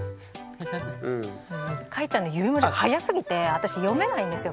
かいちゃんの指文字が速すぎて私読めないんですよ